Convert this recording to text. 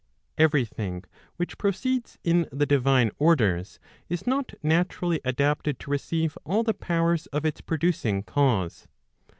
Every thing which proceeds in the divine orders, is not naturally adapted to receive all the powers of its producing cause.